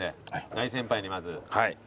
大先輩にまず。